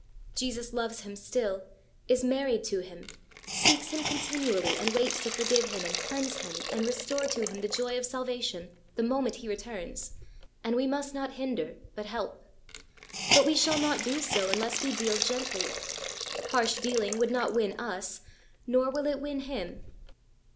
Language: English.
Jesus loves him still, is married to him, seeks him continually and waits to forgive him and cleanse him and re store to him the joy of salvation the moment he returns, and we must not hinder, but help. But we shall not do so unless we deal gently. Harsh dealing would not win us, nor will it win him.